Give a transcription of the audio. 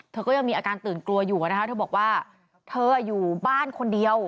เธอก็ยังมีอาการตื่นกลัวอยู่นะคะเธอบอกว่าเธออยู่บ้านคนเดียว